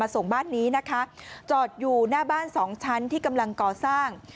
ส่งบ้านนี้นะคะจอดอยู่หน้าบ้านสองชั้นที่กำลังก่อสร้าง